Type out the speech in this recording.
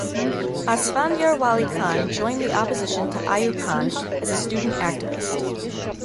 Asfandyar Wali Khan joined the opposition to Ayub Khan as a student activist.